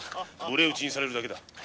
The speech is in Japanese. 無礼討ちにされるだけだ。